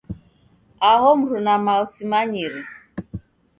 Aho mruma mao simanyire.